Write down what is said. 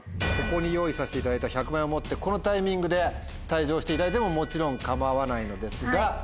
ここに用意させていただいた１００万円を持ってこのタイミングで退場していただいてももちろん構わないのですが。